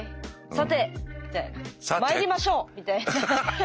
「さて」みたいな「参りましょう」みたいな。